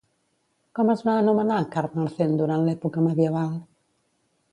Com es va anomenar Carmarthen durant l'època medieval?